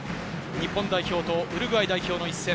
日本代表とウルグアイ代表の一戦。